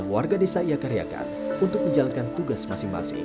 warga desa ia karyakan untuk menjalankan tugas masing masing